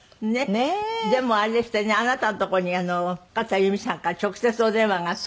でもあれですってねあなたのとこに桂由美さんから直接お電話があって。